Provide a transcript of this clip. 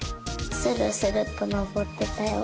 スルスルとのぼってたよ。